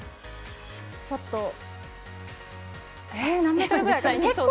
ちょっと。